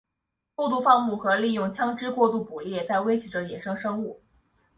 过度放牧和利用枪枝过度捕猎在威胁着野生生物。